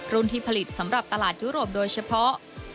ที่ผลิตสำหรับตลาดยุโรปโดยเฉพาะ